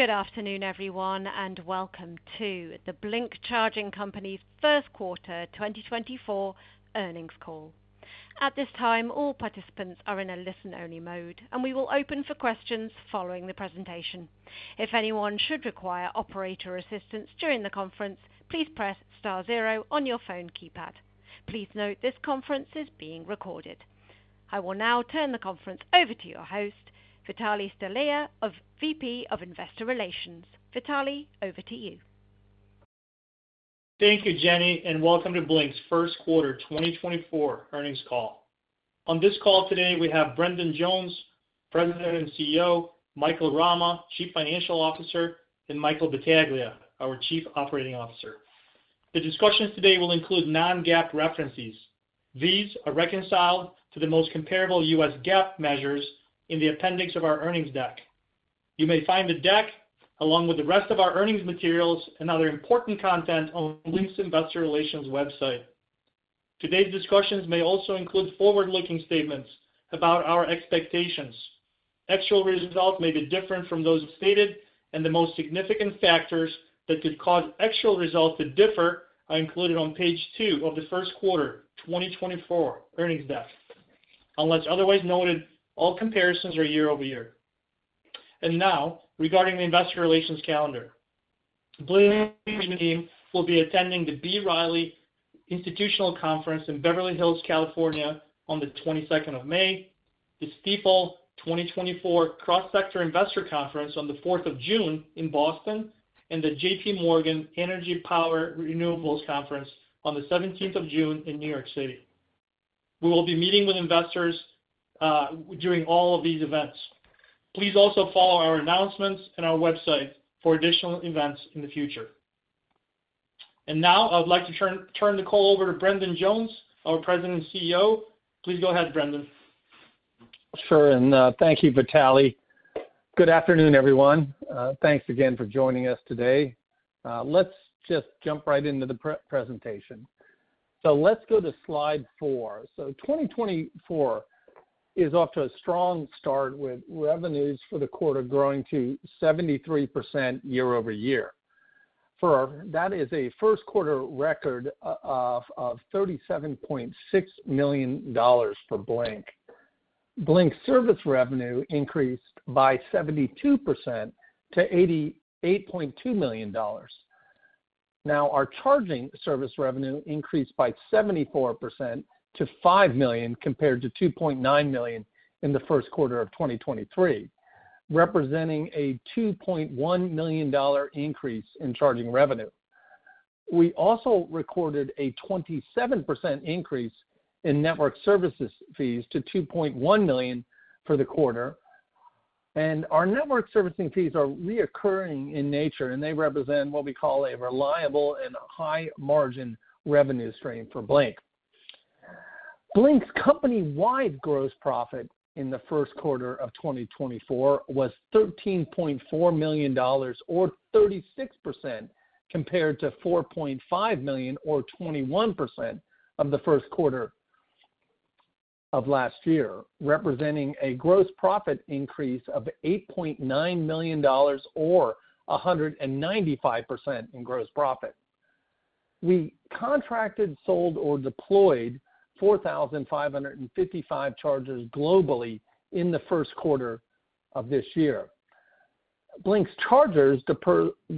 Good afternoon, everyone, and welcome to the Blink Charging Company's first quarter 2024 earnings call. At this time, all participants are in a listen-only mode, and we will open for questions following the presentation. If anyone should require operator assistance during the conference, please press star zero on your phone keypad. Please note this conference is being recorded. I will now turn the conference over to your host, Vitalie Stelea, VP of Investor Relations. Vitalie, over to you. Thank you, Jenny, and welcome to Blink's first quarter 2024 earnings call. On this call today, we have Brendan Jones, President and CEO, Michael Rama, Chief Financial Officer, and Michael Battaglia, our Chief Operating Officer. The discussions today will include non-GAAP references. These are reconciled to the most comparable U.S. GAAP measures in the appendix of our earnings deck. You may find the deck, along with the rest of our earnings materials and other important content, on Blink's Investor Relations website. Today's discussions may also include forward-looking statements about our expectations. Actual results may be different from those stated, and the most significant factors that could cause actual results to differ are included on page two of the first quarter 2024 earnings deck. Unless otherwise noted, all comparisons are year-over-year. And now, regarding the investor relations calendar, Blink team will be attending the B. Riley Institutional Conference in Beverly Hills, California on the May 22nd, the Stifel 2024 Cross-Sector Investor Conference on the June 4th in Boston, and the JPMorgan Energy Power Renewables Conference on the June 17th in New York City. We will be meeting with investors during all of these events. Please also follow our announcements and our website for additional events in the future. Now I would like to turn the call over to Brendan Jones, our President and CEO. Please go ahead, Brendan. Sure, and, thank you, Vitalie. Good afternoon, everyone. Thanks again for joining us today. Let's just jump right into the presentation. So let's go to slide four. So 2024 is off to a strong start, with revenues for the quarter growing to 73% year-over-year. That is a first quarter record of $37.6 million for Blink. Blink service revenue increased by 72% to $88.2 million. Now, our charging service revenue increased by 74% to $5 million, compared to $2.9 million in the first quarter of 2023, representing a $2.1 million increase in charging revenue. We also recorded a 27% increase in network services fees to $2.1 million for the quarter, and our network servicing fees are recurring in nature, and they represent what we call a reliable and high-margin revenue stream for Blink. Blink's company-wide gross profit in the first quarter of 2024 was $13.4 million or 36%, compared to $4.5 million or 21% of the first quarter of last year, representing a gross profit increase of $8.9 million or 195% in gross profit. We contracted, sold, or deployed 4,555 chargers globally in the first quarter of this year. Blink's chargers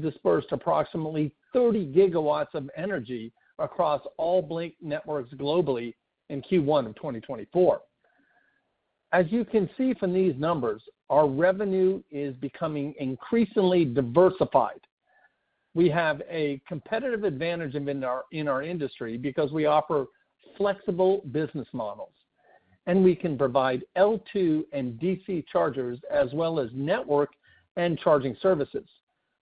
dispersed approximately 30 GW of energy across all Blink networks globally in Q1 of 2024. As you can see from these numbers, our revenue is becoming increasingly diversified. We have a competitive advantage in our industry because we offer flexible business models, and we can provide L2 and DC chargers as well as network and charging services.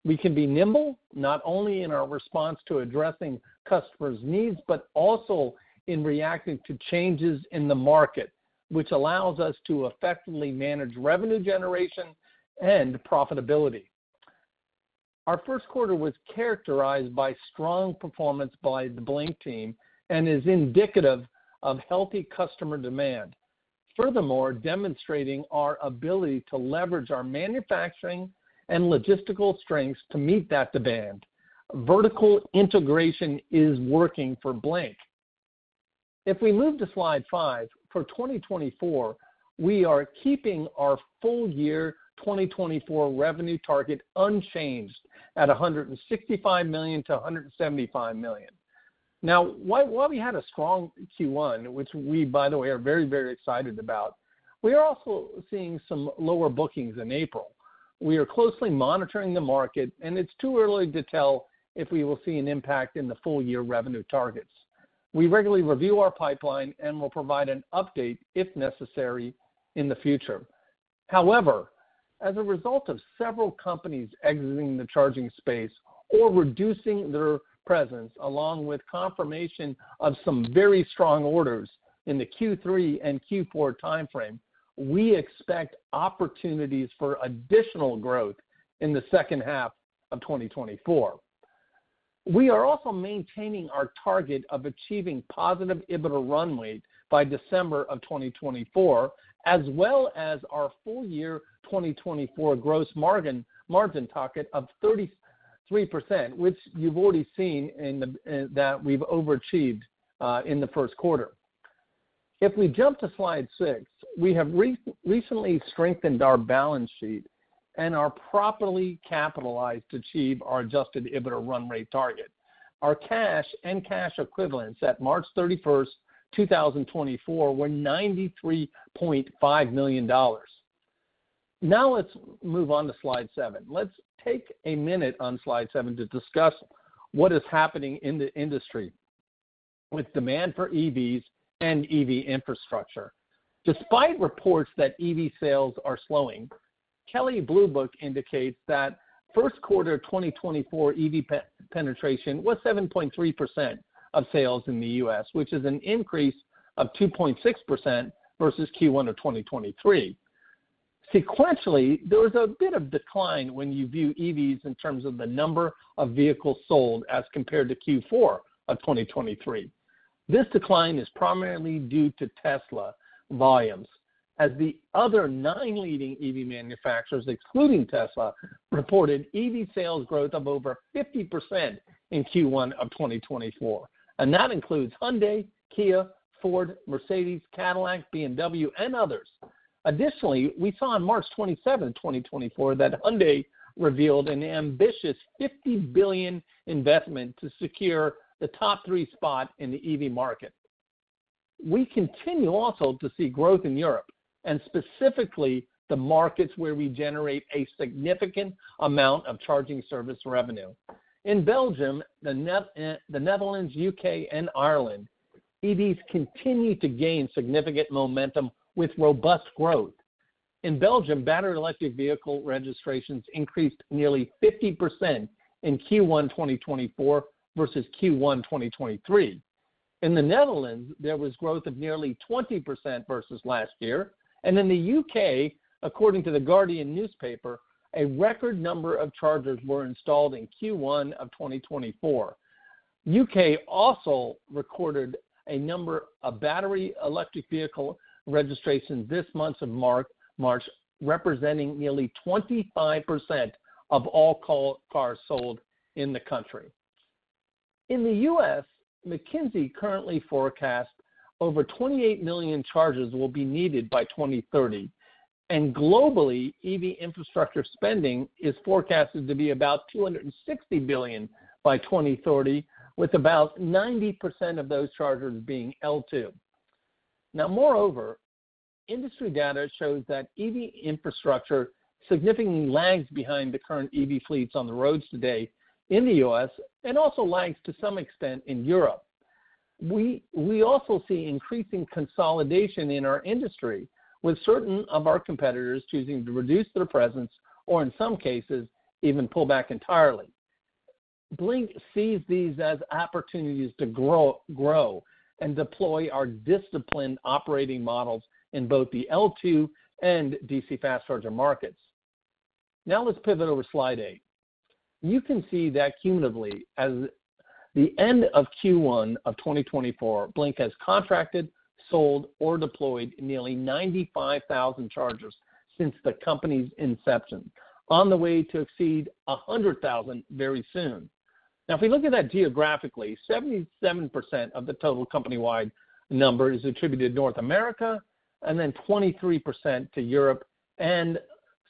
We can be nimble, not only in our response to addressing customers' needs, but also in reacting to changes in the market, which allows us to effectively manage revenue generation and profitability. Our first quarter was characterized by strong performance by the Blink team and is indicative of healthy customer demand. Furthermore, demonstrating our ability to leverage our manufacturing and logistical strengths to meet that demand. Vertical integration is working for Blink. If we move to slide five, for 2024, we are keeping our full year 2024 revenue target unchanged at $165 million-$175 million. Now, while we had a strong Q1, which we, by the way, are very, very excited about, we are also seeing some lower bookings in April. We are closely monitoring the market, and it's too early to tell if we will see an impact in the full-year revenue targets. We regularly review our pipeline and will provide an update, if necessary, in the future. However, as a result of several companies exiting the charging space or reducing their presence, along with confirmation of some very strong orders in the Q3 and Q4 timeframe, we expect opportunities for additional growth in the second half of 2024. We are also maintaining our target of achieving positive EBITDA run rate by December of 2024, as well as our full year 2024 gross margin target of 33%, which you've already seen that we've overachieved in the first quarter. If we jump to slide six, we have recently strengthened our balance sheet and are properly capitalized to achieve our adjusted EBITDA run rate target. Our cash and cash equivalents at March 31st, 2024, were $93.5 million. Now, let's move on to slide seven. Let's take a minute on slide seven to discuss what is happening in the industry with demand for EVs and EV infrastructure. Despite reports that EV sales are slowing, Kelley Blue Book indicates that first quarter 2024 EV penetration was 7.3% of sales in the U.S., which is an increase of 2.6% versus Q1 of 2023. Sequentially, there was a bit of decline when you view EVs in terms of the number of vehicles sold as compared to Q4 of 2023. This decline is primarily due to Tesla volumes, as the other nine leading EV manufacturers, excluding Tesla, reported EV sales growth of over 50% in Q1 of 2024, and that includes Hyundai, Kia, Ford, Mercedes, Cadillac, BMW, and others. Additionally, we saw on March 27th, 2024, that Hyundai revealed an ambitious $50 billion investment to secure the top three spot in the EV market. We continue also to see growth in Europe and specifically, the markets where we generate a significant amount of charging service revenue. In Belgium, the Netherlands, U.K., and Ireland, EVs continue to gain significant momentum with robust growth. In Belgium, battery electric vehicle registrations increased nearly 50% in Q1 2024, versus Q1 2023. In the Netherlands, there was growth of nearly 20% versus last year. And in the U.K., according to The Guardian newspaper, a record number of chargers were installed in Q1 of 2024. U.K. also recorded a number of battery electric vehicle registrations this month of March, representing nearly 25% of all cars sold in the country. In the U.S., McKinsey currently forecasts over 28 million chargers will be needed by 2030, and globally, EV infrastructure spending is forecasted to be about $260 billion by 2030, with about 90% of those chargers being L2. Now, moreover, industry data shows that EV infrastructure significantly lags behind the current EV fleets on the roads today in the U.S. and also lags to some extent in Europe. We also see increasing consolidation in our industry, with certain of our competitors choosing to reduce their presence or in some cases, even pull back entirely. Blink sees these as opportunities to grow and deploy our disciplined operating models in both the L2 and DC fast charger markets. Now, let's pivot over to slide eight. You can see that cumulatively, as the end of Q1 of 2024, Blink has contracted, sold, or deployed nearly 95,000 chargers since the company's inception, on the way to exceed 100,000 very soon. Now, if we look at that geographically, 77% of the total company-wide number is attributed to North America, and then 23% to Europe and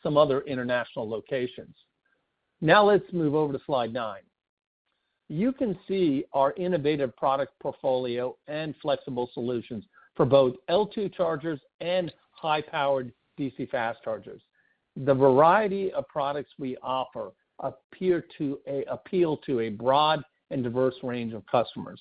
some other international locations. Now, let's move over to slide nine. You can see our innovative product portfolio and flexible solutions for both L2 chargers and high-powered DC fast chargers. The variety of products we offer appear to appeal to a broad and diverse range of customers.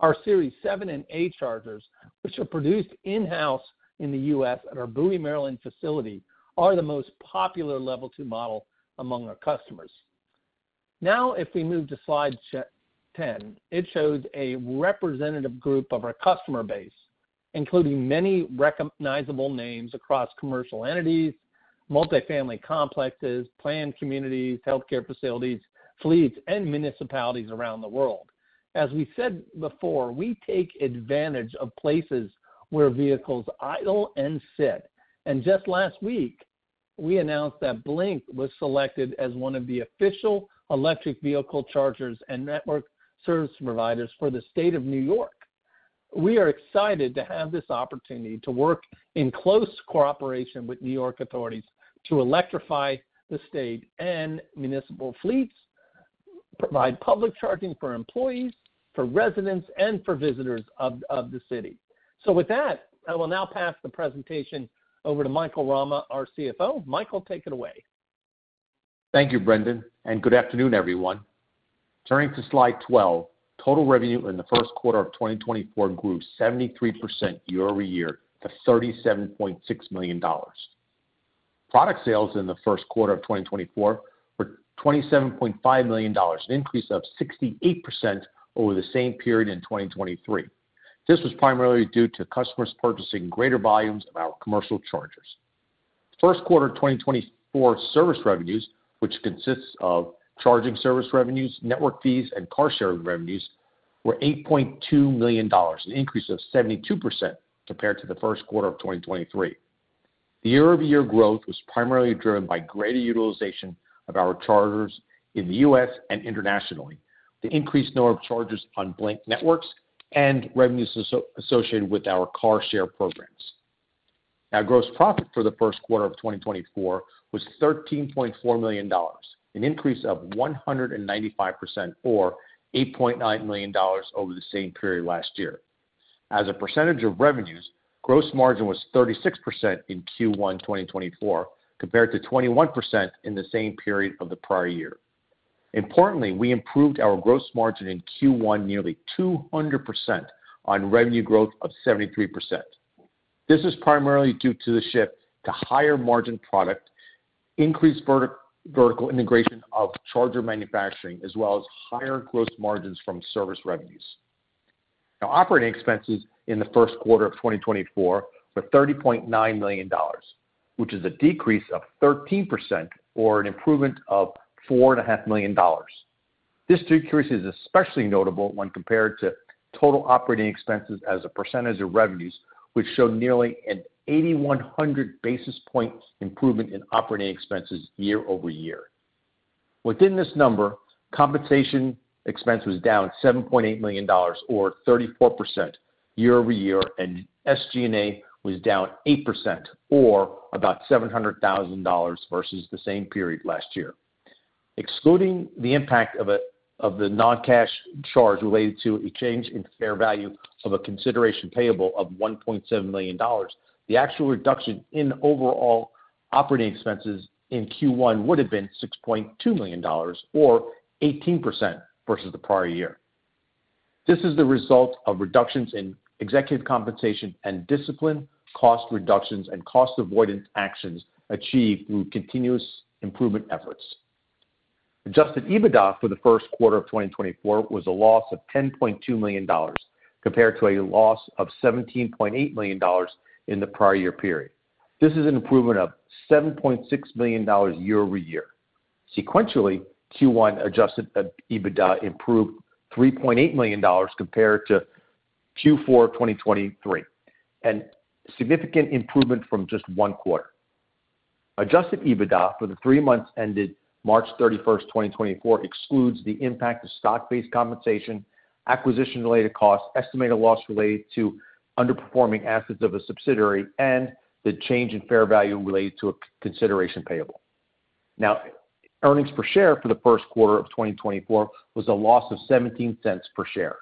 Our Series 7 and 8 chargers, which are produced in-house in the U.S. at our Bowie, Maryland, facility, are the most popular Level 2 model among our customers. Now, if we move to slide 10, it shows a representative group of our customer base, including many recognizable names across commercial entities, multifamily complexes, planned communities, healthcare facilities, fleets, and municipalities around the world. As we said before, we take advantage of places where vehicles idle and sit, and just last week, we announced that Blink was selected as one of the official electric vehicle chargers and network service providers for the state of New York. We are excited to have this opportunity to work in close cooperation with New York authorities to electrify the state and municipal fleets, provide public charging for employees, for residents, and for visitors of the city. So with that, I will now pass the presentation over to Michael Rama, our CFO. Michael, take it away. Thank you, Brendan, and good afternoon, everyone. Turning to slide 12, total revenue in the first quarter of 2024 grew 73% year-over-year to $37.6 million. Product sales in the first quarter of 2024 were $27.5 million, an increase of 68% over the same period in 2023. This was primarily due to customers purchasing greater volumes of our commercial chargers. First quarter 2024 service revenues, which consists of charging service revenues, network fees, and car share revenues, were $8.2 million, an increase of 72% compared to the first quarter of 2023. The year-over-year growth was primarily driven by greater utilization of our chargers in the U.S. and internationally, the increased number of chargers on Blink networks, and revenues associated with our car share programs. Now, gross profit for the first quarter of 2024 was $13.4 million, an increase of 195% or $8.9 million over the same period last year. As a percentage of revenues, gross margin was 36% in Q1 2024, compared to 21% in the same period of the prior year. Importantly, we improved our gross margin in Q1, nearly 200% on revenue growth of 73%. This is primarily due to the shift to higher margin product, increased vertical integration of charger manufacturing, as well as higher gross margins from service revenues. Now, operating expenses in the first quarter of 2024 were $30.9 million, which is a decrease of 13% or an improvement of $4.5 million. This decrease is especially notable when compared to total operating expenses as a percentage of revenues, which show nearly an 8100 basis points improvement in operating expenses year-over-year. Within this number, compensation expense was down $7.8 million, or 34% year-over-year, and SG&A was down 8% or about $700,000 versus the same period last year. Excluding the impact of the non-cash charge related to a change in fair value of a consideration payable of $1.7 million, the actual reduction in overall operating expenses in Q1 would have been $6.2 million or 18% versus the prior year. This is the result of reductions in executive compensation and discipline, cost reductions and cost avoidance actions achieved through continuous improvement efforts. Adjusted EBITDA for the first quarter of 2024 was a loss of $10.2 million, compared to a loss of $17.8 million in the prior year period. This is an improvement of $7.6 million year-over-year. Sequentially, Q1 adjusted EBITDA improved $3.8 million compared to Q4 2023, and significant improvement from just one quarter. Adjusted EBITDA for the three months ended March 31st, 2024, excludes the impact of stock-based compensation, acquisition-related costs, estimated loss related to underperforming assets of a subsidiary, and the change in fair value related to a consideration payable. Now, earnings per share for the first quarter of 2024 was a loss of $0.17 per share,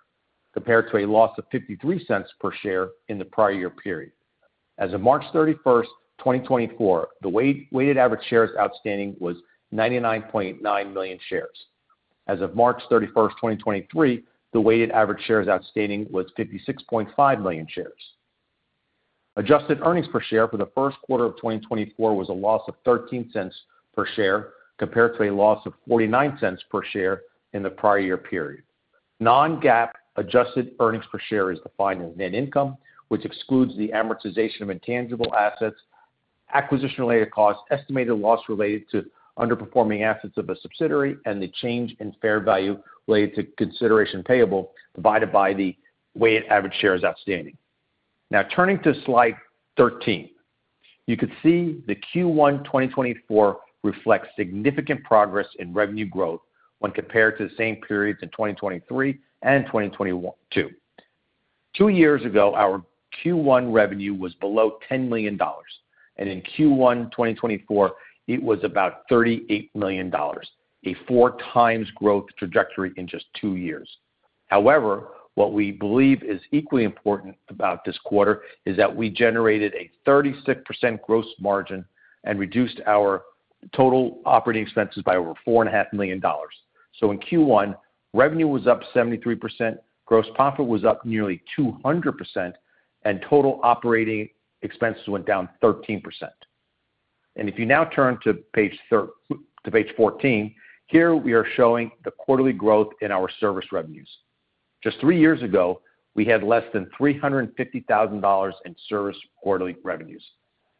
compared to a loss of $0.53 per share in the prior year period. As of March 31st, 2024, the weighted average shares outstanding was 99.9 million shares. As of March 31st, 2023, the weighted average shares outstanding was 56.5 million shares. Adjusted earnings per share for the first quarter of 2024 was a loss of $0.13 per share, compared to a loss of $0.49 per share in the prior year period. Non-GAAP adjusted earnings per share is defined as net income, which excludes the amortization of intangible assets, acquisition-related costs, estimated loss related to underperforming assets of a subsidiary, and the change in fair value related to consideration payable, divided by the weighted average shares outstanding. Now, turning to Slide 13. You can see the Q1 2024 reflects significant progress in revenue growth when compared to the same periods in 2023 and 2022. Two years ago, our Q1 revenue was below $10 million, and in Q1 2024, it was about $38 million, a 4x growth trajectory in just two years. However, what we believe is equally important about this quarter is that we generated a 36% gross margin and reduced our total operating expenses by over $4.5 million. So in Q1, revenue was up 73%, gross profit was up nearly 200%, and total operating expenses went down 13%. And if you now turn to page 14, here we are showing the quarterly growth in our service revenues. Just three years ago, we had less than $350,000 in service quarterly revenues.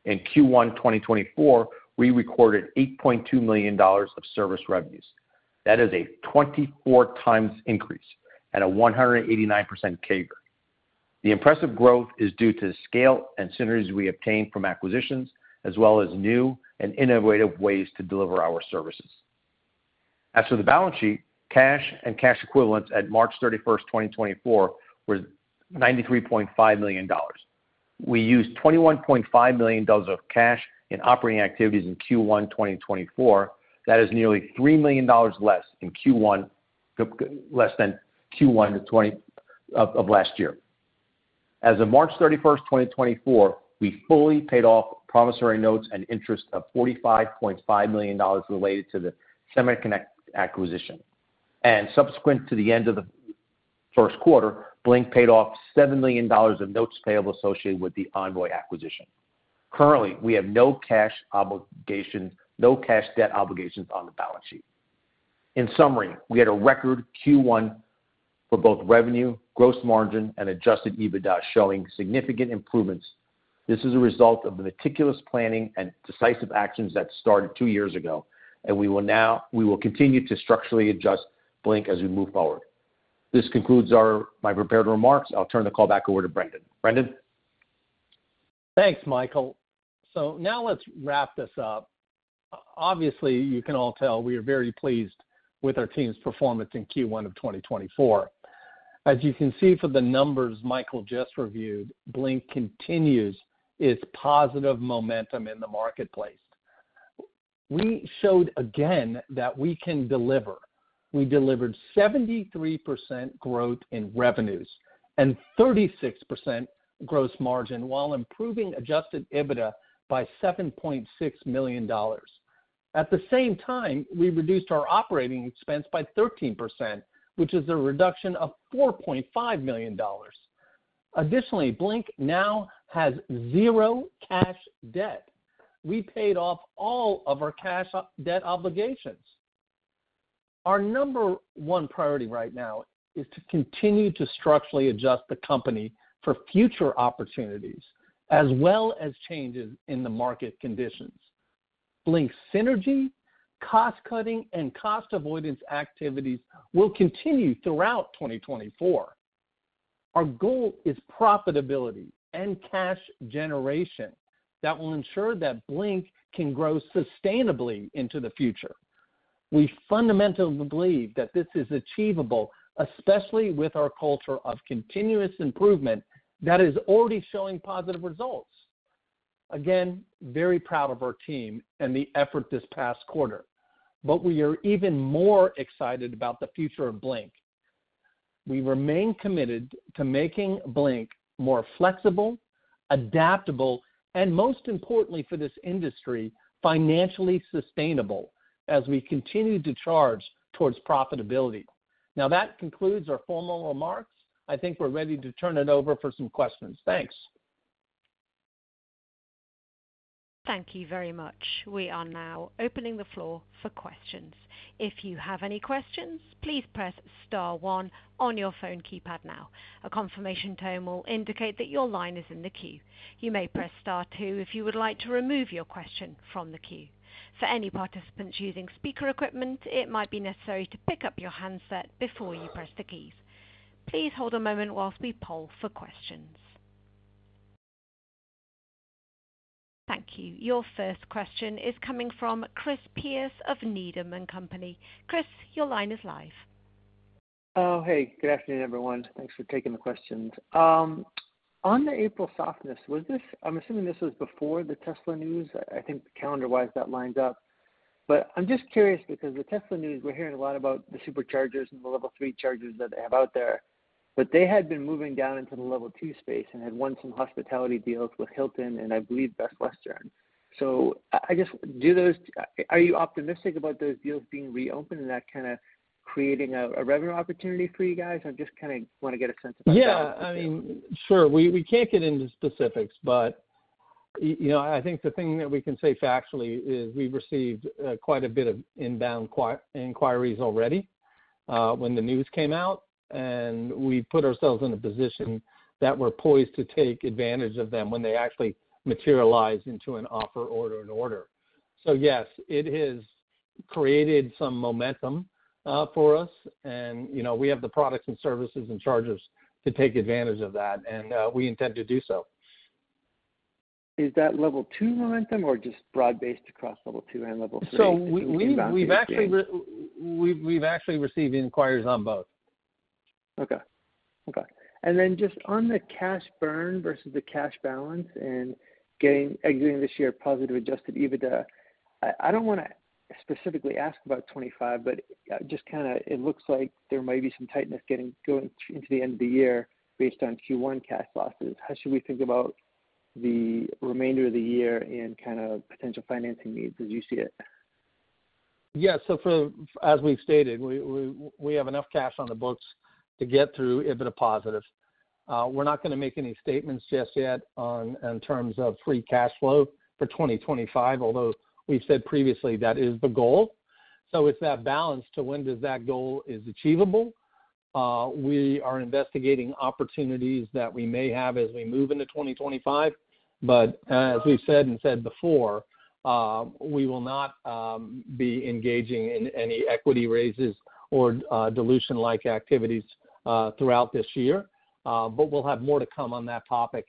In Q1 2024, we recorded $8.2 million of service revenues. That is a 24x increase and a 189% CAGR. The impressive growth is due to scale and synergies we obtained from acquisitions, as well as new and innovative ways to deliver our services. As for the balance sheet, cash and cash equivalents at March 31st, 2024, were $93.5 million. We used $21.5 million of cash in operating activities in Q1 2024. That is nearly $3 million less in Q1 2024 than Q1 of last year. As of March 31st, 2024, we fully paid off promissory notes and interest of $45.5 million related to the SemaConnect acquisition. Subsequent to the end of the first quarter, Blink paid off $7 million of notes payable associated with the Envoy acquisition. Currently, we have no cash obligations, no cash debt obligations on the balance sheet. In summary, we had a record Q1 for both revenue, gross margin and adjusted EBITDA, showing significant improvements. This is a result of the meticulous planning and decisive actions that started two years ago, and we will now, we will continue to structurally adjust Blink as we move forward. This concludes our, my prepared remarks. I'll turn the call back over to Brendan. Brendan? Thanks, Michael. So now let's wrap this up. Obviously, you can all tell we are very pleased with our team's performance in Q1 of 2024. As you can see from the numbers Michael just reviewed, Blink continues its positive momentum in the marketplace. We showed again that we can deliver. We delivered 73% growth in revenues and 36% gross margin, while improving adjusted EBITDA by $7.6 million. At the same time, we reduced our operating expense by 13%, which is a reduction of $4.5 million. Additionally, Blink now has zero cash debt. We paid off all of our cash debt obligations. Our number one priority right now is to continue to structurally adjust the company for future opportunities, as well as changes in the market conditions. Blink's synergy, cost-cutting, and cost avoidance activities will continue throughout 2024. Our goal is profitability and cash generation that will ensure that Blink can grow sustainably into the future. We fundamentally believe that this is achievable, especially with our culture of continuous improvement that is already showing positive results. Again, very proud of our team and the effort this past quarter, but we are even more excited about the future of Blink. We remain committed to making Blink more flexible, adaptable, and most importantly for this industry, financially sustainable as we continue to charge towards profitability. Now, that concludes our formal remarks. I think we're ready to turn it over for some questions. Thanks. Thank you very much. We are now opening the floor for questions. If you have any questions, please press star one on your phone keypad now. A confirmation tone will indicate that your line is in the queue. You may press star two if you would like to remove your question from the queue. For any participants using speaker equipment, it might be necessary to pick up your handset before you press the keys. Please hold a moment whilst we poll for questions. Thank you. Your first question is coming from Chris Pierce of Needham & Company. Chris, your line is live. Oh, hey, good afternoon, everyone. Thanks for taking the questions. On the April softness, was this—I'm assuming this was before the Tesla news? I, I think calendar-wise, that lines up, but I'm just curious because the Tesla news, we're hearing a lot about the Superchargers and the Level 3 chargers that they have out there, but they had been moving down into the Level 2 space and had won some hospitality deals with Hilton and I believe Best Western. So I, I just... Do those, are you optimistic about those deals being reopened and that kind of creating a, a revenue opportunity for you guys? I just kind of want to get a sense about that. Yeah, I mean, sure, we can't get into specifics, but, you know, I think the thing that we can say factually is we've received, quite a bit of inbound inquiries already, when the news came out, and we put ourselves in a position that we're poised to take advantage of them when they actually materialize into an offer or an order. So yes, it has created some momentum, for us, and, you know, we have the products and services and chargers to take advantage of that, and, we intend to do so. Is that Level 2 momentum or just broad-based across Level 2 and Level 3? So we've actually received inquiries on both. Okay. Okay. And then just on the cash burn versus the cash balance and getting, exiting this year positive adjusted EBITDA, I don't wanna specifically ask about 25, but just kind of it looks like there might be some tightness getting going into the end of the year based on Q1 cash losses. How should we think about the remainder of the year and kind of potential financing needs as you see it? Yeah, so as we've stated, we have enough cash on the books to get through EBITDA positive. We're not gonna make any statements just yet on, in terms of free cash flow for 2025, although we've said previously that is the goal. So it's that balance to when does that goal is achievable. We are investigating opportunities that we may have as we move into 2025, but as we've said and said before, we will not be engaging in any equity raises or dilution-like activities throughout this year. But we'll have more to come on that topic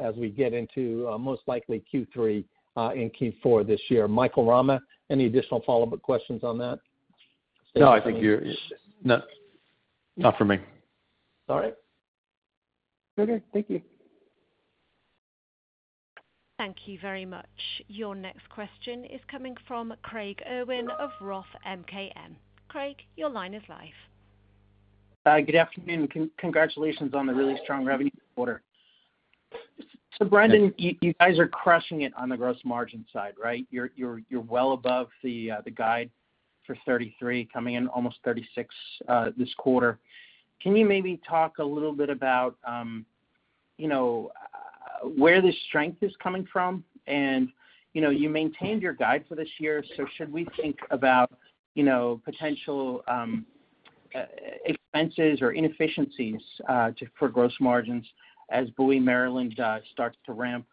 as we get into most likely Q3 and Q4 this year. Michael Rama, any additional follow-up questions on that? No, I think, no, not for me. All right. Okay, thank you. Thank you very much. Your next question is coming from Craig Irwin of Roth MKM. Craig, your line is live. Good afternoon. Congratulations on the really strong revenue quarter. So Brendan, you, you guys are crushing it on the gross margin side, right? You're well above the guide for 33%, coming in almost 36%, this quarter. Can you maybe talk a little bit about, you know, where the strength is coming from? You know, you maintained your guide for this year, so should we think about, you know, potential expenses or inefficiencies for gross margins as Bowie, Maryland, starts to ramp?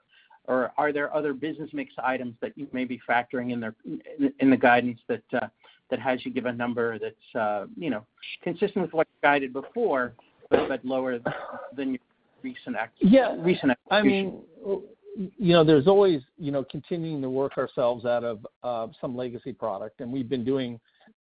Or are there other business mix items that you may be factoring in there, in the guidance that has you give a number that's, you know, consistent with what you guided before, but lower than your recent activity? Yeah. Recent activity. I mean, you know, there's always, you know, continuing to work ourselves out of some legacy product, and we've been doing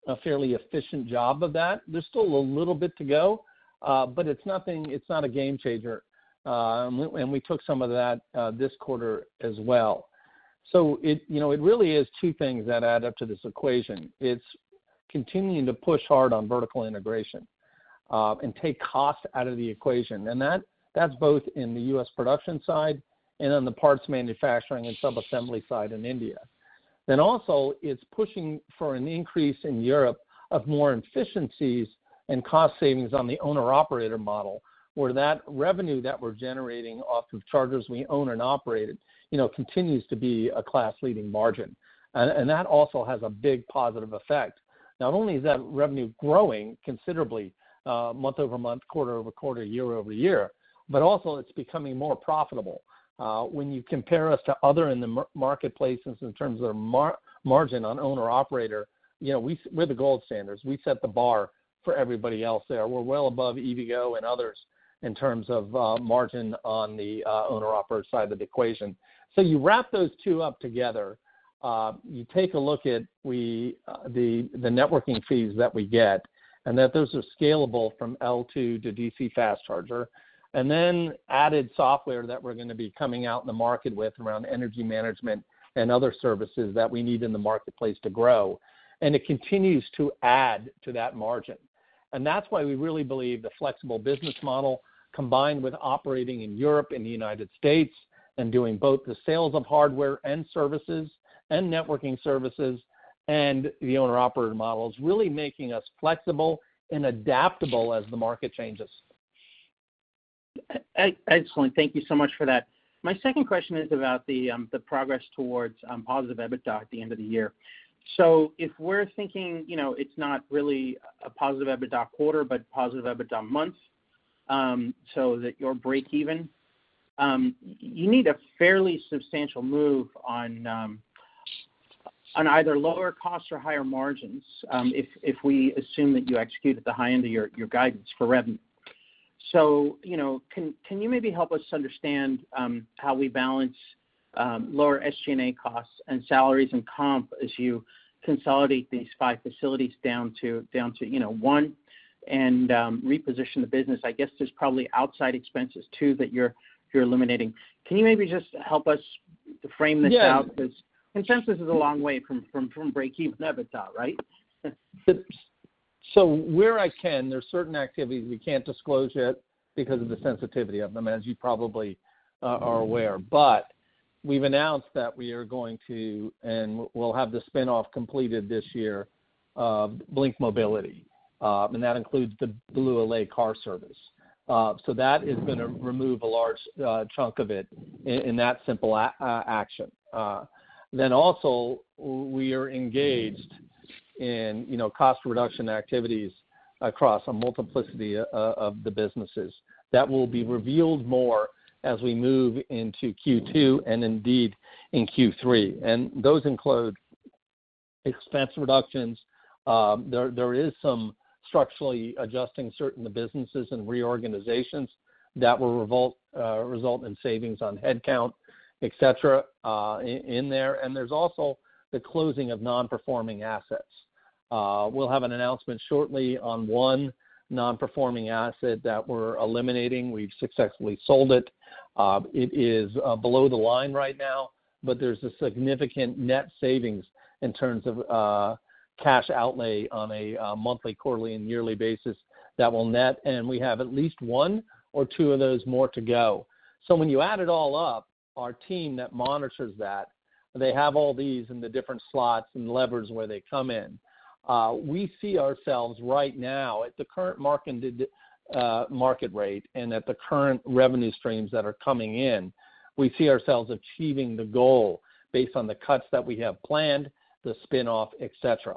a fairly efficient job of that. There's still a little bit to go, but it's nothing, it's not a game changer. And we took some of that this quarter as well. So it, you know, it really is two things that add up to this equation. It's continuing to push hard on vertical integration and take cost out of the equation, and that, that's both in the U.S. production side and in the parts manufacturing and sub-assembly side in India. Then also, it's pushing for an increase in Europe of more efficiencies and cost savings on the owner-operator model, where that revenue that we're generating off of chargers we own and operate, you know, continues to be a class-leading margin. That also has a big positive effect. Not only is that revenue growing considerably month-over-month, quarter-over-quarter, year-over-year, but also it's becoming more profitable. When you compare us to other in the marketplace in terms of margin on owner-operator, you know, we're the gold standards. We set the bar for everybody else there. We're well above EVgo and others in terms of margin on the owner-operator side of the equation. So you wrap those two up together, you take a look at the networking fees that we get, and those are scalable from L2 to DC fast charger, and then added software that we're gonna be coming out in the market with around energy management and other services that we need in the marketplace to grow. It continues to add to that margin. That's why we really believe the flexible business model, combined with operating in Europe and the United States, and doing both the sales of hardware and services and networking services and the owner-operator model, is really making us flexible and adaptable as the market changes. Excellent. Thank you so much for that. My second question is about the progress towards positive EBITDA at the end of the year. So if we're thinking, you know, it's not really a positive EBITDA quarter, but positive EBITDA month, so that you're breakeven, you need a fairly substantial move on either lower costs or higher margins, if we assume that you execute at the high end of your guidance for revenue. So, you know, can you maybe help us understand how we balance lower SG&A costs and salaries and comp as you consolidate these five facilities down to, you know, one, and reposition the business? I guess there's probably outside expenses too, that you're eliminating. Can you maybe just help us to frame this out? Yeah. Because consensus is a long way from breakeven EBITDA, right? So where I can, there's certain activities we can't disclose yet because of the sensitivity of them, as you probably are aware. But we've announced that we are going to, and we'll have the spin-off completed this year, Blink Mobility, and that includes the BlueLA car service. So that is gonna remove a large chunk of it in that simple action. Then also, we are engaged in, you know, cost reduction activities across a multiplicity of the businesses. That will be revealed more as we move into Q2, and indeed, in Q3. And those include expense reductions. There is some structurally adjusting certain businesses and reorganizations that will result in savings on headcount, et cetera, in there. And there's also the closing of non-performing assets. We'll have an announcement shortly on one non-performing asset that we're eliminating. We've successfully sold it. It is below the line right now, but there's a significant net savings in terms of cash outlay on a monthly, quarterly, and yearly basis that will net, and we have at least one or two of those more to go. So when you add it all up, our team that monitors that, they have all these in the different slots and levers where they come in. We see ourselves right now, at the current market rate and at the current revenue streams that are coming in, we see ourselves achieving the goal based on the cuts that we have planned, the spin-off, et cetera.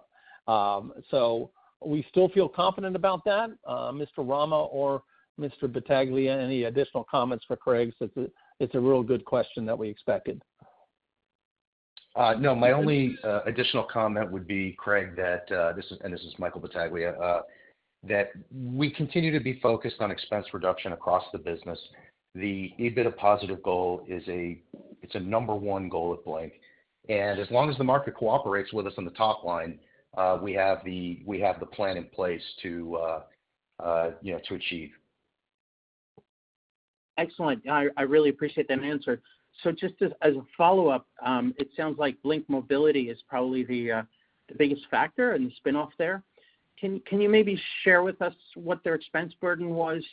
So we still feel confident about that. Mr. Rama or Mr. Battaglia, any additional comments for Craig? It's a real good question that we expected. No, my only additional comment would be, Craig, that this is, and this is Michael Battaglia, that we continue to be focused on expense reduction across the business. The EBITDA positive goal is, it's a number one goal at Blink. And as long as the market cooperates with us on the top line, we have the plan in place to, you know, to achieve. Excellent. I really appreciate that answer. So just as a follow-up, it sounds like Blink Mobility is probably the biggest factor in the spin-off there. Can you maybe share with us what their expense burden was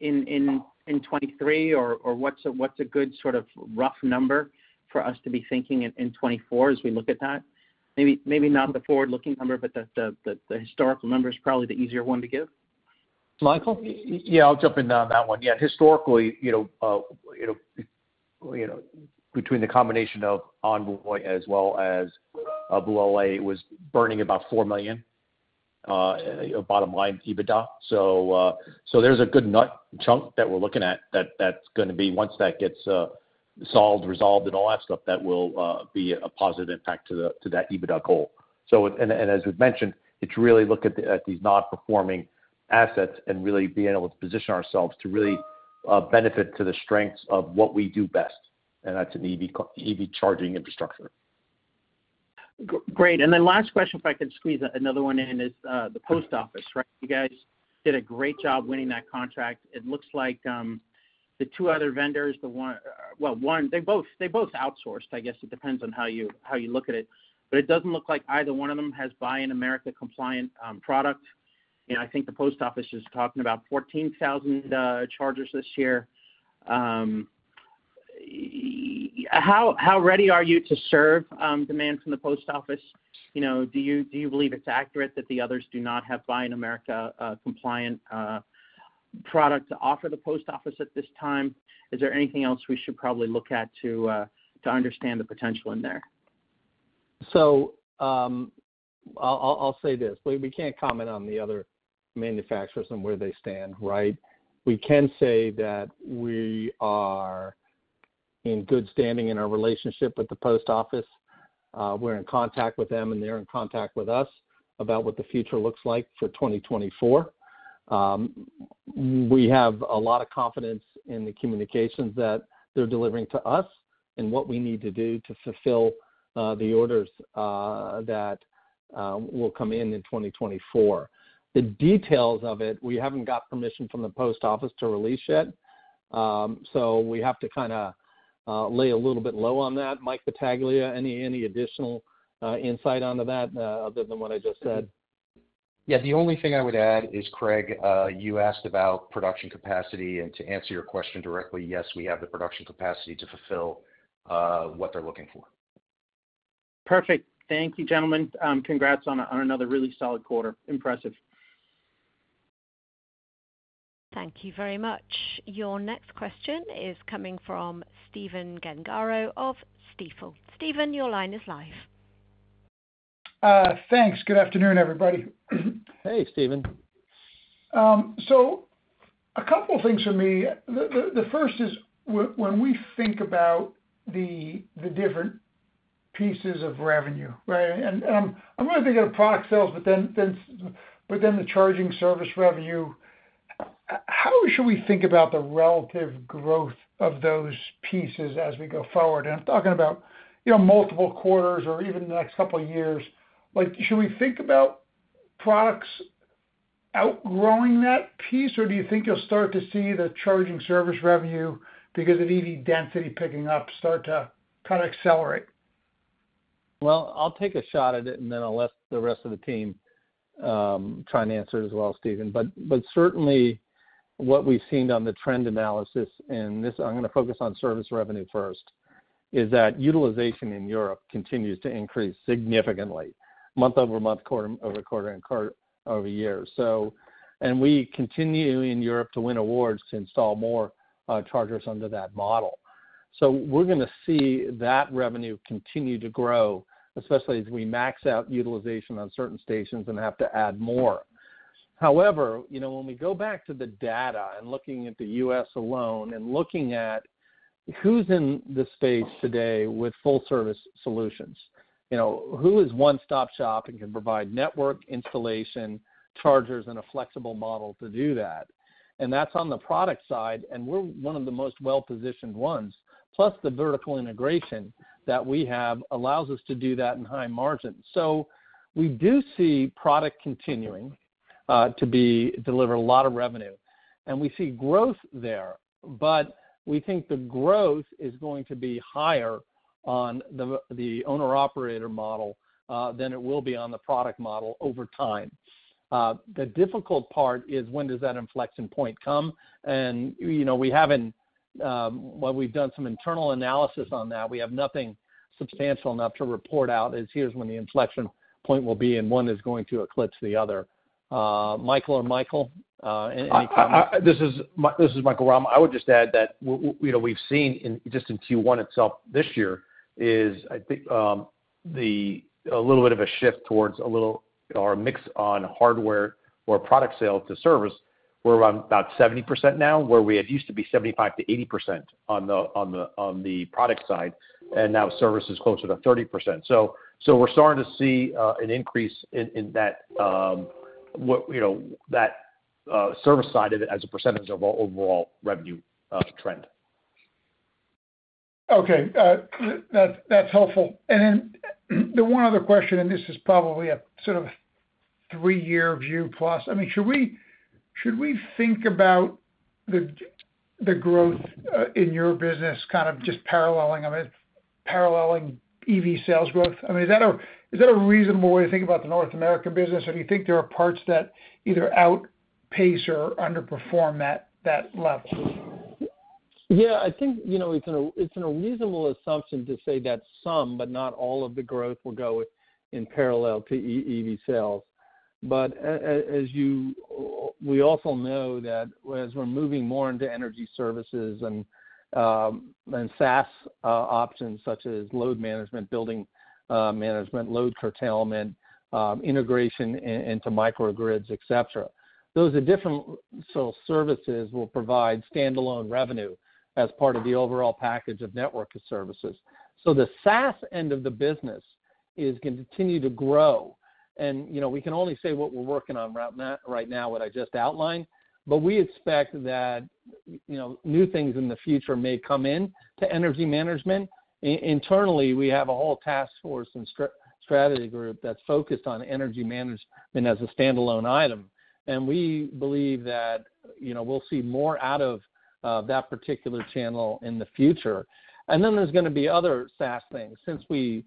in 2023, or what's a good sort of rough number for us to be thinking in 2024 as we look at that? Maybe, maybe not the forward-looking number, but the historical number is probably the easier one to give. Michael? Yeah, I'll jump in on that one. Yeah, historically, you know, you know, you know, between the combination of Envoy as well as BlueLA, was burning about $4 million bottom line EBITDA. So, so there's a good chunk that we're looking at, that's gonna be, once that gets solved, resolved, and all that stuff, that will be a positive impact to that EBITDA goal. So and, and as we've mentioned, it's really look at these non-performing assets and really being able to position ourselves to really benefit to the strengths of what we do best, and that's in EV charging infrastructure. Great. And then last question, if I could squeeze another one in, is the post office, right? You guys did a great job winning that contract. It looks like the two other vendors, the one—well, one, they both, they both outsourced. I guess it depends on how you, how you look at it. But it doesn't look like either one of them has Buy America compliant product. You know, I think the post office is talking about 14,000 chargers this year. How ready are you to serve demand from the post office? You know, do you, do you believe it's accurate that the others do not have Buy America compliant product to offer the post office at this time? Is there anything else we should probably look at to understand the potential in there? So, I'll say this, we can't comment on the other manufacturers and where they stand, right? We can say that we are in good standing in our relationship with the post office. We're in contact with them, and they're in contact with us about what the future looks like for 2024. We have a lot of confidence in the communications that they're delivering to us and what we need to do to fulfill the orders that will come in in 2024. The details of it, we haven't got permission from the post office to release yet, so we have to kind of lay a little bit low on that. Mike Battaglia, any additional insight onto that other than what I just said? Yeah, the only thing I would add is, Craig, you asked about production capacity, and to answer your question directly, yes, we have the production capacity to fulfill what they're looking for. Perfect. Thank you, gentlemen. Congrats on another really solid quarter. Impressive. Thank you very much. Your next question is coming from Stephen Gengaro of Stifel. Stephen, your line is live. Thanks. Good afternoon, everybody. Hey, Stephen. So a couple things for me. The first is when we think about the different pieces of revenue, right? And I'm only thinking of product sales, but then the charging service revenue, how should we think about the relative growth of those pieces as we go forward? And I'm talking about, you know, multiple quarters or even the next couple of years. Like, should we think about products outgrowing that piece, or do you think you'll start to see the charging service revenue, because of EV density picking up, start to kind of accelerate? Well, I'll take a shot at it, and then I'll let the rest of the team try and answer it as well, Stephen. But certainly, what we've seen on the trend analysis, and this, I'm gonna focus on service revenue first, is that utilization in Europe continues to increase significantly, month-over-month, quarter-over-quarter, and quarter-over-year. So... And we continue in Europe to win awards to install more chargers under that model. So we're gonna see that revenue continue to grow, especially as we max out utilization on certain stations and have to add more. However, you know, when we go back to the data, and looking at the U.S. alone, and looking at who's in the space today with full service solutions. You know, who is one-stop-shop and can provide network, installation, chargers, and a flexible model to do that? And that's on the product side, and we're one of the most well-positioned ones, plus the vertical integration that we have allows us to do that in high margin. So we do see product continuing to deliver a lot of revenue, and we see growth there, but we think the growth is going to be higher on the Owner-Operator Model than it will be on the product model over time. The difficult part is when does that inflection point come? And, you know, we haven't... While we've done some internal analysis on that, we have nothing substantial enough to report out, as here's when the inflection point will be and one is going to eclipse the other. Michael or Michael, any comments? This is Michael Rama. I would just add that you know, we've seen just in Q1 itself this year, I think, a little bit of a shift towards a little, or a mix on hardware or product sale to service. We're around about 70% now, where we had used to be 75%-80% on the product side, and now service is closer to 30%. So we're starting to see an increase in that you know, that service side of it as a percentage of our overall revenue trend. Okay, that's helpful. Then, the one other question, and this is probably a sort of three-year view plus. I mean, should we think about the growth in your business kind of just paralleling EV sales growth? I mean, is that a reasonable way to think about the North America business, or do you think there are parts that either outpace or underperform that level? Yeah, I think, you know, it's an unreasonable assumption to say that some, but not all of the growth will go in parallel to EV sales. But we also know that as we're moving more into energy services and SaaS options, such as load management, building management, load curtailment, integration into microgrids, et cetera, those are different. So services will provide standalone revenue as part of the overall package of network as services. So the SaaS end of the business is gonna continue to grow, and, you know, we can only say what we're working on right now, right now, what I just outlined. But we expect that, you know, new things in the future may come in to energy management. Internally, we have a whole task force and strategy group that's focused on energy management as a standalone item, and we believe that, you know, we'll see more out of that particular channel in the future. And then there's gonna be other SaaS things since we,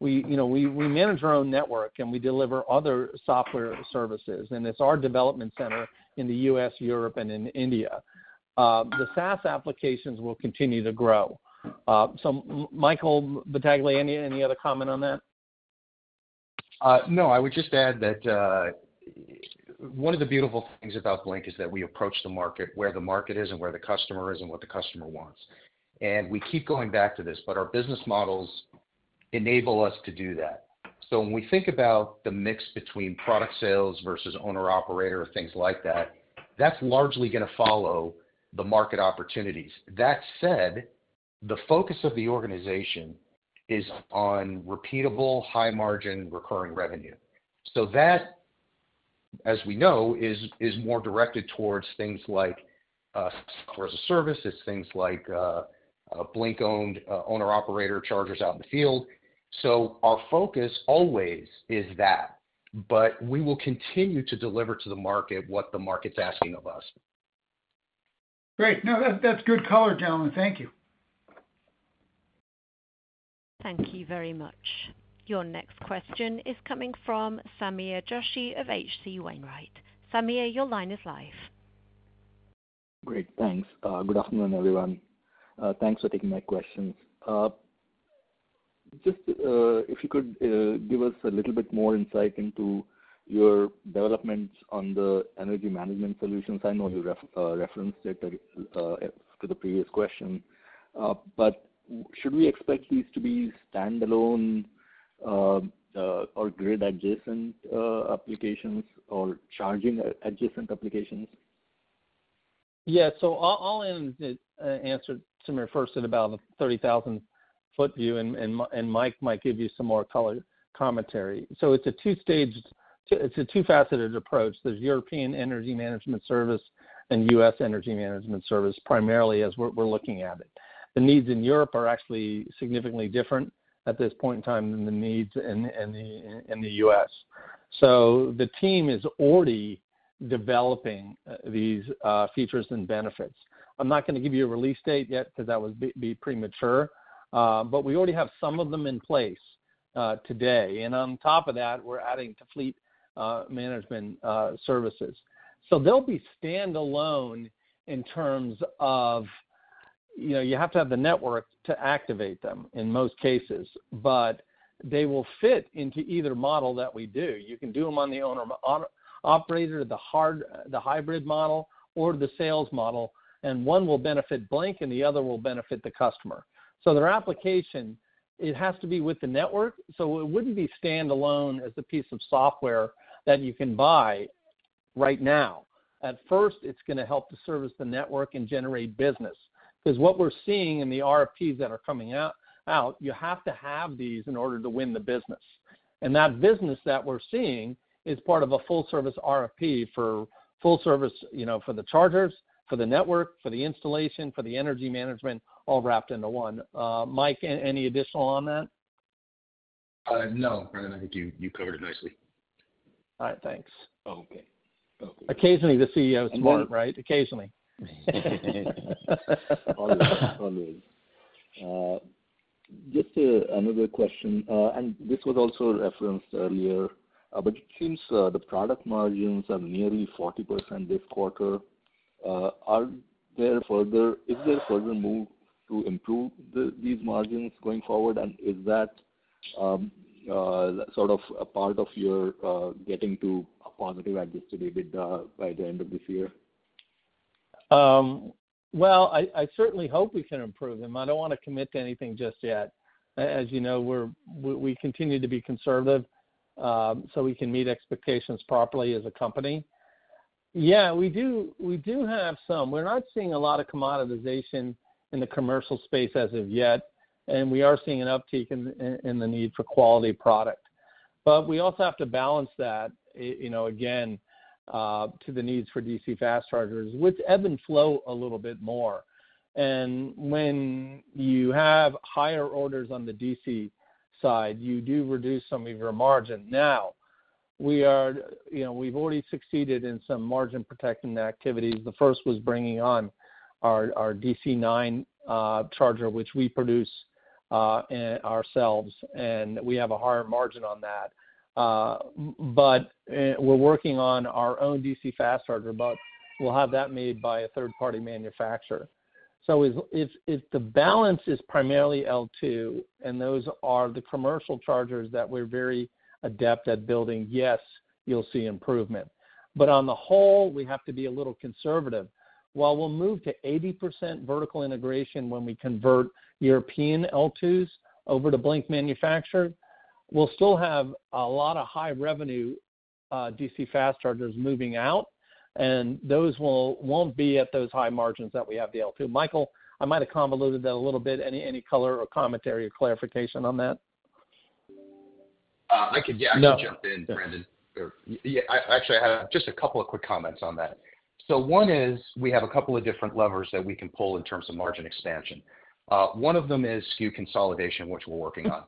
you know, manage our own network, and we deliver other software services, and it's our development center in the U.S., Europe, and in India. The SaaS applications will continue to grow. So Michael Battaglia, any other comment on that? No. I would just add that, one of the beautiful things about Blink is that we approach the market where the market is, and where the customer is, and what the customer wants. And we keep going back to this, but our business models enable us to do that. So when we think about the mix between product sales versus owner-operator, things like that, that's largely gonna follow the market opportunities. That said, the focus of the organization is on repeatable, high-margin, recurring revenue. So that, as we know, is more directed towards things like, software as a service, it's things like, Blink-owned, owner-operator chargers out in the field. So our focus always is that, but we will continue to deliver to the market what the market's asking of us. Great. No, that's, that's good color, gentlemen. Thank you. Thank you very much. Your next question is coming from Sameer Joshi of H.C. Wainwright. Sameer, your line is live. Great, thanks. Good afternoon, everyone. Thanks for taking my questions. Just, if you could, give us a little bit more insight into your developments on the energy management solutions. I know you referenced it to the previous question, but should we expect these to be standalone, or grid-adjacent, applications or charging-adjacent applications? Yeah, so I'll, I'll, answer Sameer first at about a 30,000-foot view, and, and Mike might give you some more color commentary. So it's a two-faceted approach. There's European energy management service and U.S. energy management service, primarily as we're, we're looking at it. The needs in Europe are actually significantly different at this point in time than the needs in, in the, in the U.S. So the team is already developing these features and benefits. I'm not gonna give you a release date yet because that would be premature, but we already have some of them in place today. And on top of that, we're adding to fleet management services. So they'll be standalone in terms of, you know, you have to have the network to activate them in most cases, but they will fit into either model that we do. You can do them on the owner-operator, the hybrid model or the sales model, and one will benefit Blink, and the other will benefit the customer. So their application, it has to be with the network, so it wouldn't be standalone as a piece of software that you can buy right now. At first, it's gonna help to service the network and generate business. Because what we're seeing in the RFPs that are coming out, you have to have these in order to win the business. That business that we're seeing is part of a full service RFP for full service, you know, for the chargers, for the network, for the installation, for the energy management, all wrapped into one. Mike, any additional on that? No, Brendan, I think you covered it nicely. All right, thanks. Okay. Okay. Occasionally, the CEO is smart, right? Occasionally. Always. Always. Just another question, and this was also referenced earlier, but it seems the product margins are nearly 40% this quarter. Is there a further move to improve these margins going forward? And is that sort of a part of your getting to a positive adjusted EBITDA by the end of this year? Well, I certainly hope we can improve them. I don't want to commit to anything just yet. As you know, we continue to be conservative, so we can meet expectations properly as a company. Yeah, we have some. We're not seeing a lot of commoditization in the commercial space as of yet, and we are seeing an uptake in the need for quality product. But we also have to balance that, you know, again, to the needs for DC fast chargers, which ebb and flow a little bit more. When you have higher orders on the DC side, you do reduce some of your margin. Now, you know, we've already succeeded in some margin-protecting activities. The first was bringing on our DC9 charger, which we produce-... and ourselves, and we have a higher margin on that. But we're working on our own DC fast charger, but we'll have that made by a third-party manufacturer. So if the balance is primarily L2, and those are the commercial chargers that we're very adept at building, yes, you'll see improvement. But on the whole, we have to be a little conservative. While we'll move to 80% vertical integration when we convert European L2s over to Blink manufacture, we'll still have a lot of high revenue, DC fast chargers moving out, and those won't be at those high margins that we have the L2. Michael, I might have convoluted that a little bit. Any color or commentary or clarification on that? I could, yeah- No. I could jump in, Brendan. Or, yeah, I actually have just a couple of quick comments on that. So one is, we have a couple of different levers that we can pull in terms of margin expansion. One of them is SKU consolidation, which we're working on.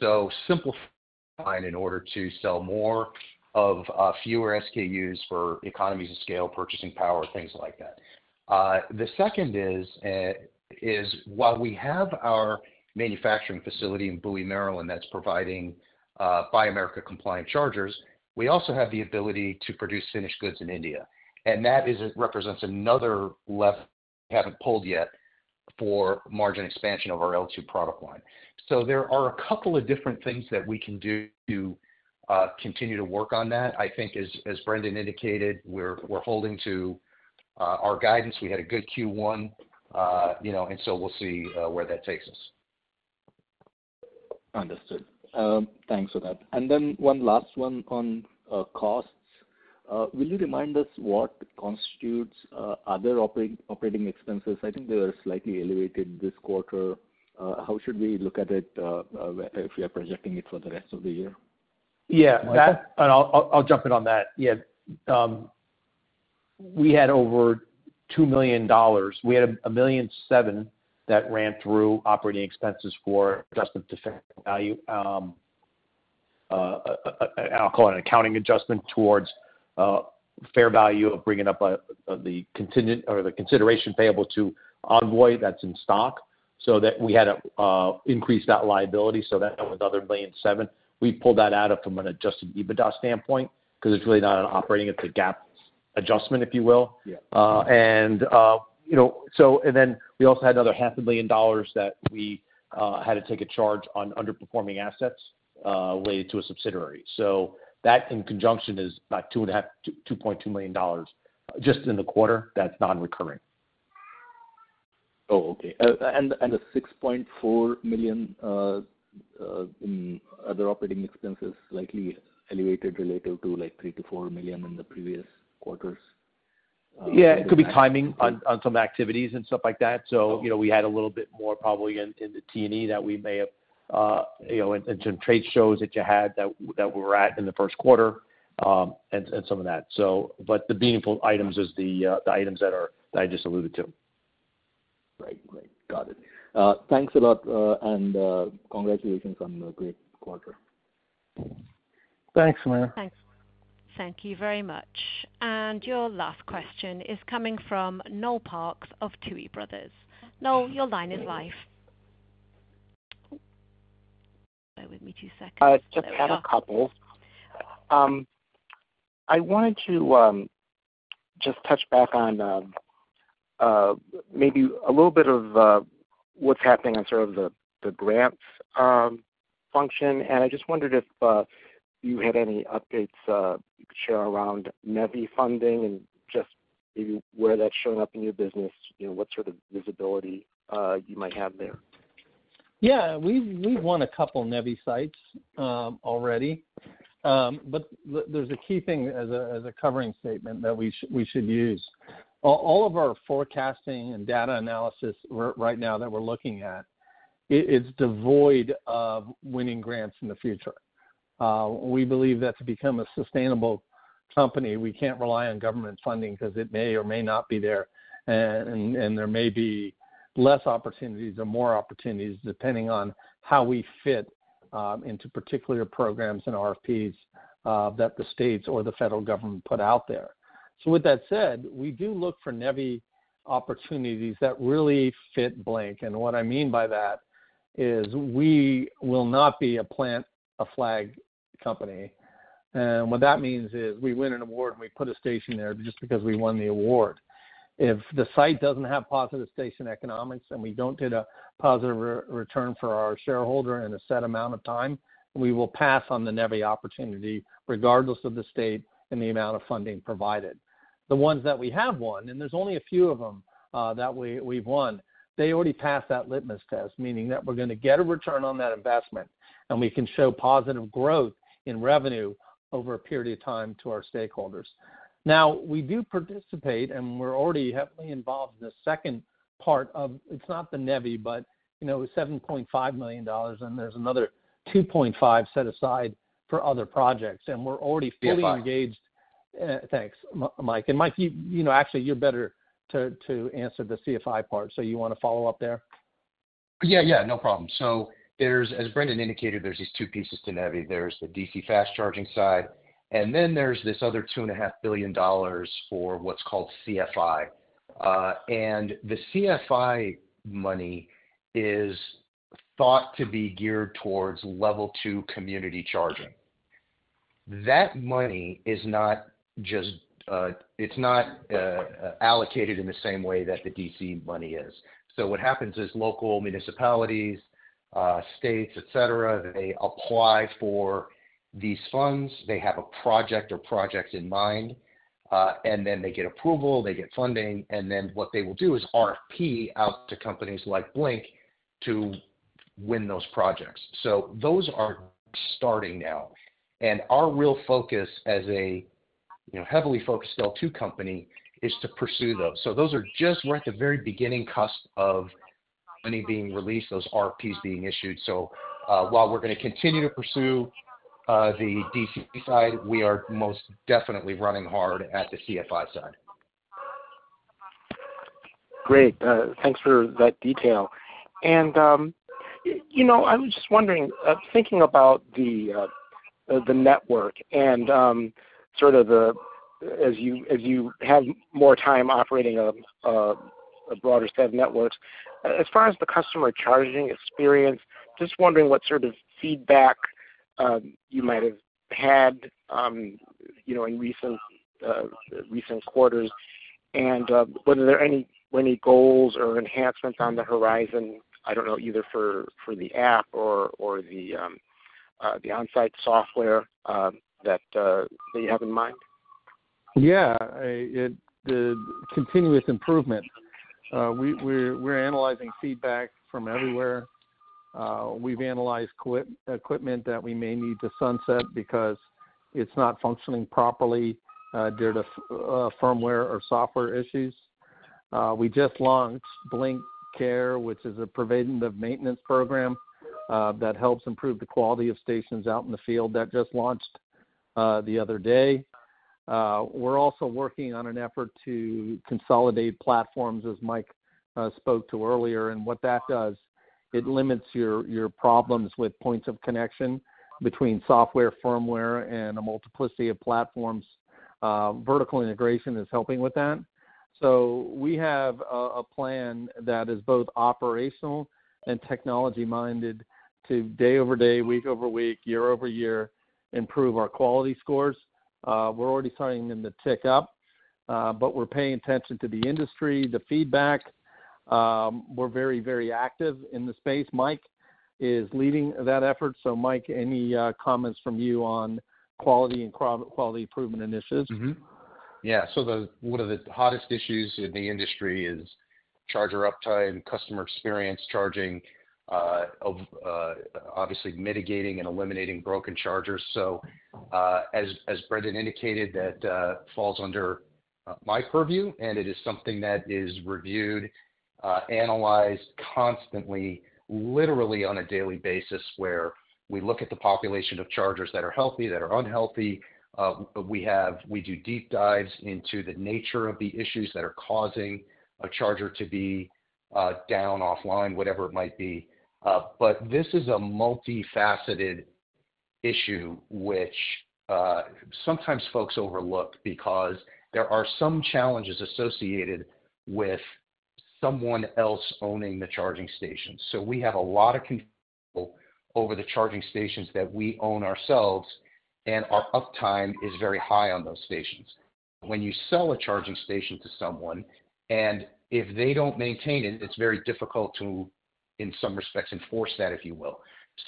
So simplify in order to sell more of, fewer SKUs for economies of scale, purchasing power, things like that. The second is, while we have our manufacturing facility in Bowie, Maryland, that's providing Buy America compliant chargers, we also have the ability to produce finished goods in India, and that represents another lever we haven't pulled yet for margin expansion of our L2 product line. So there are a couple of different things that we can do to continue to work on that. I think as Brendan indicated, we're holding to our guidance. We had a good Q1, you know, and so we'll see where that takes us. Understood. Thanks for that. And then one last one on costs. Will you remind us what constitutes other operating expenses? I think they were slightly elevated this quarter. How should we look at it if we are projecting it for the rest of the year? Yeah, that- Michael? I'll jump in on that. Yeah, we had over $2 million. We had a $1.7 million that ran through operating expenses for adjustment to fair value, and I'll call it an accounting adjustment towards fair value of bringing up the contingent or the consideration payable to Envoy that's in stock, so that we had to increase that liability, so that was another $1.7 million. We pulled that out from an adjusted EBITDA standpoint, because it's really not an operating, it's a GAAP adjustment, if you will. Yeah. And, you know, so and then we also had another $500,000 that we had to take a charge on underperforming assets related to a subsidiary. So that, in conjunction, is about $2.5 million-$2.2 million just in the quarter, that's non-recurring. Oh, okay. And the $6.4 million in other operating expenses, slightly elevated related to like $3 million-$4 million in the previous quarters. Yeah, it could be timing on some activities and stuff like that. Okay. So, you know, we had a little bit more probably in the T&E that we may have, you know, and some trade shows that you had that we're at in the first quarter, and some of that. So, but the meaningful items is the items that I just alluded to. Right. Right. Got it. Thanks a lot, and congratulations on a great quarter. Thanks, Amir. Thanks. Thank you very much. Your last question is coming from Noel Parks of Tuohy Brothers. Noel, your line is live. Bear with me two seconds. Just have a couple. I wanted to just touch back on maybe a little bit of what's happening on sort of the grants function. And I just wondered if you had any updates you could share around NEVI funding and just maybe where that's showing up in your business, you know, what sort of visibility you might have there? Yeah, we've won a couple NEVI sites already. But there's a key thing as a covering statement that we should use. All of our forecasting and data analysis right now that we're looking at, it is devoid of winning grants in the future. We believe that to become a sustainable company, we can't rely on government funding because it may or may not be there, and there may be less opportunities or more opportunities, depending on how we fit into particular programs and RFPs that the states or the federal government put out there. So with that said, we do look for NEVI opportunities that really fit Blink. And what I mean by that is we will not be a plant-a-flag company. And what that means is, we win an award, and we put a station there just because we won the award. If the site doesn't have positive station economics, and we don't hit a positive return for our shareholder in a set amount of time, we will pass on the NEVI opportunity, regardless of the state and the amount of funding provided. The ones that we have won, and there's only a few of them, that we've won, they already passed that litmus test, meaning that we're gonna get a return on that investment, and we can show positive growth in revenue over a period of time to our stakeholders. Now, we do participate, and we're already heavily involved in the second part of... It's not the NEVI, but you know, $7.5 million, and there's another $2.5 million set aside for other projects, and we're already fully engaged- CFI. Thanks, Mike. And Mike, you know, actually, you're better to answer the CFI part, so you wanna follow up there? Yeah, yeah, no problem. So there's, as Brendan indicated, there's these two pieces to NEVI. There's the DC fast charging side, and then there's this other $2.5 billion for what's called CFI. And the CFI money is thought to be geared towards Level 2 community charging. That money is not just, it's not, allocated in the same way that the DC money is. So what happens is local municipalities, states, et cetera, they apply for these funds. They have a project in mind, and then they get approval, they get funding, and then what they will do is RFP out to companies like Blink to win those projects. So those are starting now, and our real focus as a, you know, heavily focused Level 2 company is to pursue those. So those are just, we're at the very beginning cusp of money being released, those RFPs being issued. So, while we're gonna continue to pursue, the DC side, we are most definitely running hard at the CFI side. Great. Thanks for that detail. You know, I was just wondering, thinking about the network and sort of the, as you have more time operating a broader set of networks, as far as the customer charging experience, just wondering what sort of feedback you might have had, you know, in recent quarters, and whether there are any goals or enhancements on the horizon, I don't know, either for the app or the on-site software that you have in mind? Yeah, it's the continuous improvement. We're analyzing feedback from everywhere. We've analyzed equipment that we may need to sunset because it's not functioning properly due to firmware or software issues. We just launched Blink Care, which is a preventative maintenance program that helps improve the quality of stations out in the field. That just launched the other day. We're also working on an effort to consolidate platforms, as Mike spoke to earlier. And what that does, it limits your problems with points of connection between software, firmware, and a multiplicity of platforms. Vertical integration is helping with that. So we have a plan that is both operational and technology-minded to day over day, week over week, year over year, improve our quality scores. We're already starting them to tick up, but we're paying attention to the industry, the feedback. We're very, very active in the space. Mike is leading that effort. So Mike, any comments from you on quality and quality improvement initiatives? Mm-hmm. Yeah, so the one of the hottest issues in the industry is charger uptime, customer experience, charging of obviously mitigating and eliminating broken chargers. So, as Brendan indicated, that falls under my purview, and it is something that is reviewed analyzed constantly, literally on a daily basis, where we look at the population of chargers that are healthy, that are unhealthy. But we do deep dives into the nature of the issues that are causing a charger to be down, offline, whatever it might be. But this is a multifaceted issue, which sometimes folks overlook because there are some challenges associated with someone else owning the charging station. So we have a lot of control over the charging stations that we own ourselves, and our uptime is very high on those stations. When you sell a charging station to someone, and if they don't maintain it, it's very difficult to, in some respects, enforce that, if you will.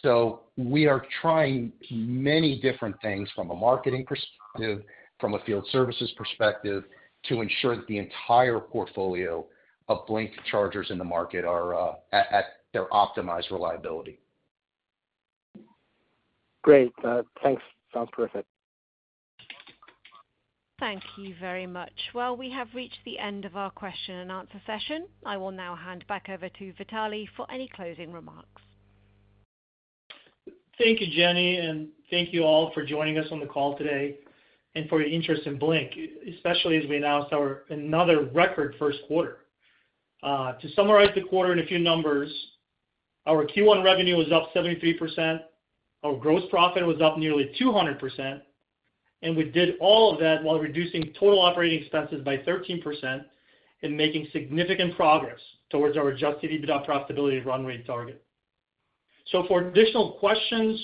So we are trying many different things from a marketing perspective, from a field services perspective, to ensure that the entire portfolio of Blink chargers in the market are at their optimized reliability. Great. Thanks. Sounds perfect. Thank you very much. Well, we have reached the end of our question-and-answer session. I will now hand back over to Vitalie for any closing remarks. Thank you, Jenny, and thank you all for joining us on the call today, and for your interest in Blink, especially as we announced our another record first quarter. To summarize the quarter in a few numbers, our Q1 revenue was up 73%, our gross profit was up nearly 200%, and we did all of that while reducing total operating expenses by 13% and making significant progress towards our adjusted EBITDA profitability run rate target. So for additional questions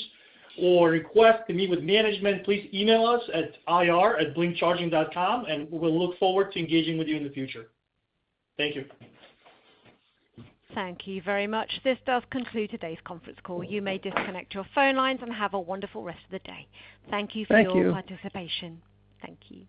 or requests to meet with management, please email us at ir@blinkcharging.com, and we'll look forward to engaging with you in the future. Thank you. Thank you very much. This does conclude today's conference call. You may disconnect your phone lines and have a wonderful rest of the day. Thank you for- Thank you... your participation. Thank you.